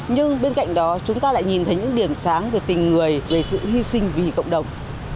nhưng bên cạnh đó chúng ta lại nhìn thấy những điểm sáng về tình người về sự hy sinh vì cộng đồng